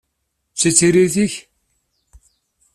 D ta i d tiririt-ik?